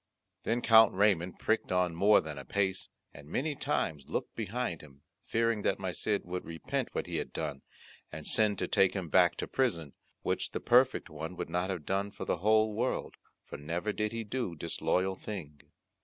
Then Count Ramond pricked on more than apace, and many times looked behind him, fearing that my Cid would repent what he had done, and send to take him back to prison, which the perfect one would not have done for the whole world, for never did he do disloyal thing.